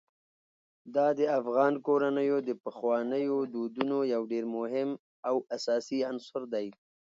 دا د افغان کورنیو د پخوانیو دودونو یو ډېر مهم او اساسي عنصر دی.